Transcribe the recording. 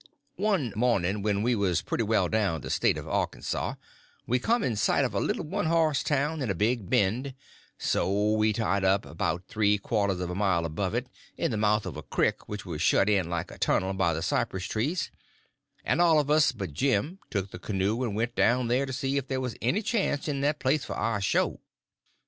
One morning, when we was pretty well down the State of Arkansaw, we come in sight of a little one horse town in a big bend; so we tied up about three quarters of a mile above it, in the mouth of a crick which was shut in like a tunnel by the cypress trees, and all of us but Jim took the canoe and went down there to see if there was any chance in that place for our show.